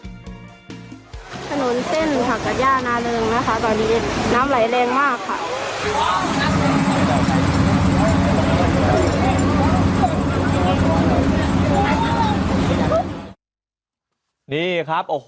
ถนนเส้นภักดิ์ย่านานรึงตอนนี้น้ำไหลแรงมากค่ะ